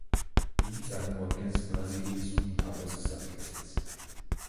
იგი წარმოადგენს ბრაზილიის უმთავრეს გზატკეცილს.